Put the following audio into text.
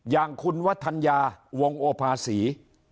อย่างครรภะวงโอภาศี